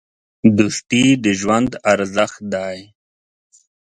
دوستي د ژوند ارزښت دی.